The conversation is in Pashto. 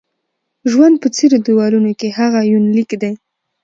ژوند په څيرو دېوالو کې: هغه یونلیک دی